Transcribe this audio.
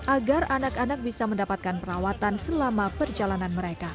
agar anak anak bisa mendapatkan perawatan selama perjalanan mereka